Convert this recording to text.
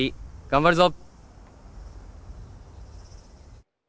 頑張るぞ！